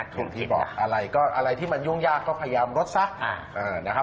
นักธุรกิจอะไรที่มันยุ่งยากก็พยายามรดซะ